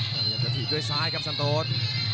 พยายามจะถีบด้วยซ้ายครับสันโต๊ด